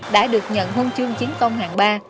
đã được nhận huân chương chiến công hạng ba